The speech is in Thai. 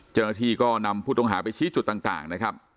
เจ้าหน้าที่ก็นำผู้ต้องหาไปชี้จุดต่างนะครับ